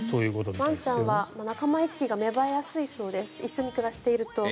ワンちゃんは仲間意識が芽生えやすいそうです。